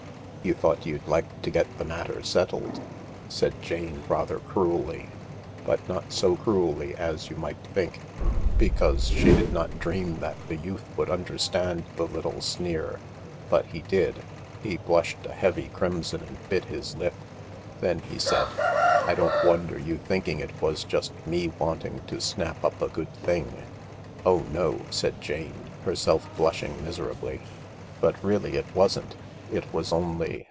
" You thought you'd like to get the matter settled ?" said Jane, rather cruelly, but not so cruelly as you might think, because she did not dream that the youth would understand the little sneer. But he did ; he blushed a heavy crimson and bit his lip. Then he said :" I don't wonder you thinking it was just me wanting to snap up a good thing." " Oh no," said Jane, herself blushing miserably. " But really it wasn't. It was only